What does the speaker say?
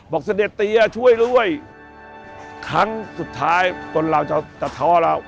บอกเสด็จเตียช่วยด้วยครั้งสุดท้ายคนเราจะทอแล้ว